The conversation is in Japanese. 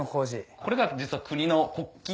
これが実は国の。